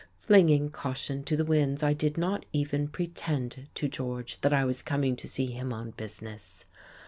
Flinging caution to the winds, I did not even pretend to George that I was coming to see him on business.